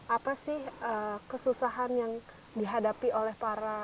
apa sih kesusahan yang dihadapi oleh para